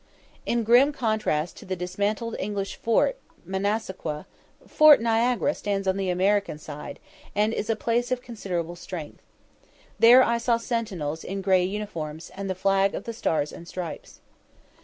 In grim contrast to the dismantled English Fort Massassaqua, Fort Niagara stands on the American side, and is a place of considerable strength. There I saw sentinels in grey uniforms, and the flag of the stars and stripes.